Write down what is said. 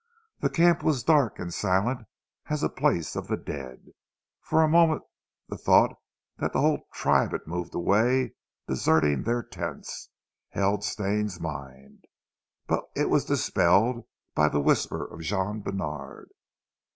The camp was dark and silent as a place of the dead. For a moment the thought that the whole tribe had moved away, deserting their tents, held Stane's mind; but it was dispelled by the whisper of Jean Bènard.